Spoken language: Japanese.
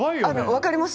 分かります？